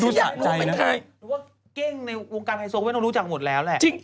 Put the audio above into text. หรือว่าเก้งในวงการไฮโซก็ไม่ต้องรู้จักหมดแล้วแหละ